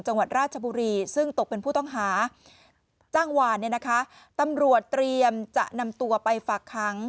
จังหวัดราชบุรีซึ่งตกเป็นผู้ต้องหาจ้างวานเนี่ยนะคะตำรวจเตรียมจะนำตัวไปฝากค้าง